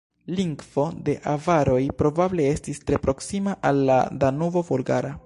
Lingvo de avaroj probable estis tre proksima al la Danubo-Bolgara.